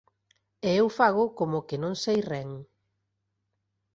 e eu fago como que non sei ren